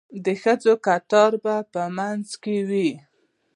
د ښځو کتار به په منځ کې وي.